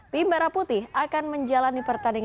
tim merah putih akan menjalani pertandingan